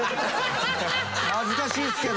恥ずかしいですけど！